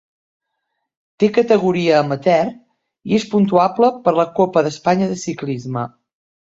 Té categoria amateur i és puntuable per la Copa d'Espanya de ciclisme.